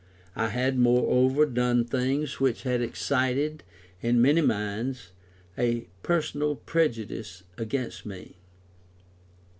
I had moreover done things which had excited, in many minds, a personal prejudice against me.